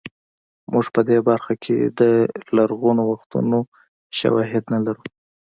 موږ په دې برخه کې د لرغونو وختونو شواهد نه لرو